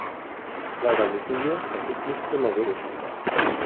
Leider wissen wir, dass es nicht immer so ist.